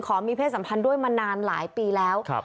มีเพศสัมพันธ์ด้วยมานานหลายปีแล้ว